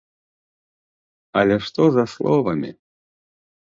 Але што за словамі?